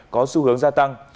có xu hướng gia tăng